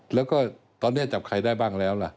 แล้วก็ตอนนี้จับใครได้บ้างแล้วล่ะ